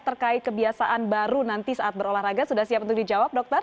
terkait kebiasaan baru nanti saat berolahraga sudah siap untuk dijawab dokter